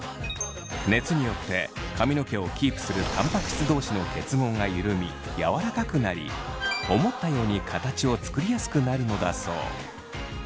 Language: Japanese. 熱によって髪の毛をキープするタンパク質同士の結合が緩み柔らかくなり思ったように形を作りやすくなるのだそう。